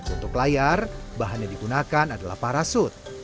untuk layar bahan yang digunakan adalah parasut